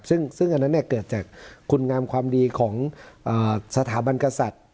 ซึ่งอันนั้นเกิดจากคุณงามความดีของสถาบันกษัตริย์